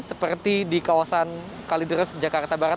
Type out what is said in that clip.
seperti di kawasan kalideres jakarta barat